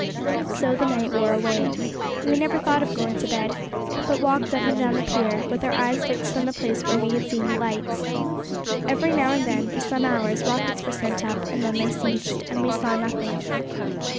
So the night wore away. We never thought of going to bed, but walked up and down the pier, with our eyes fixed on the place where we had seen the lights. Every now and then, for some hours, rockets were sent up; and then they ceased, and we saw nothing.